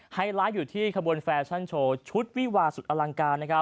ไลท์อยู่ที่ขบวนแฟชั่นโชว์ชุดวิวาสุดอลังการ